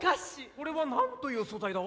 これはなんという素材だ？